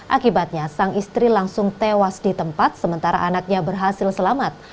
akibatnya sang istri langsung tewas di tempat sementara anaknya berhasil selamat